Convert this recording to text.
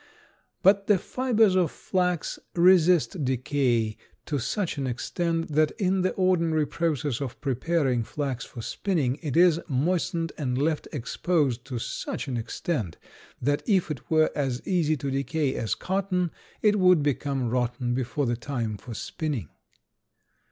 But the fibers of flax resist decay to such an extent that in the ordinary process of preparing flax for spinning it is moistened and left exposed to such an extent that if it were as easy to decay as cotton it would become rotten before the time for spinning.